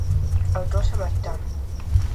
Autor samaritano.